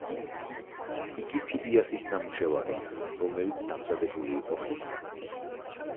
იგი ფიდიასის ნამუშევარია, რომელიც დამზადებული იყო ხისგან.